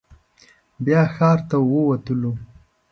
بیا ښار ته ووتلو.